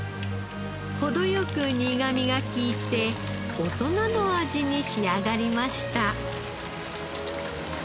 程良く苦みが利いて大人の味に仕上がりました。